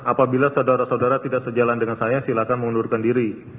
apabila saudara saudara tidak sejalan dengan saya silakan mengundurkan diri